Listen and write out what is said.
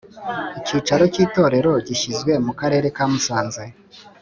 Icyicaro cy Itorero gishyizwe mu karere ka musanze